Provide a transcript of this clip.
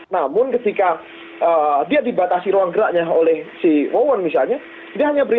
namun ketika dia dibatasi ruang geraknya oleh si wawan misalnya dia hanya berinteraksi dengan orang orang tertentu